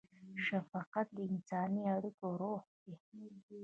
شفقت د انساني اړیکو روح دی.